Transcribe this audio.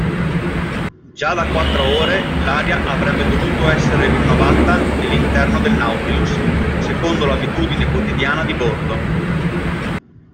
Già da quattro ore l'aria avrebbe dovuto essere rinnovata nell'interno del Nautilus secondo l'abitudine quotidiana di bordo.